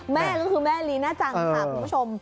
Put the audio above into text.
แม่ก็คือแม่ลีน่าจังค่ะคุณผู้ชม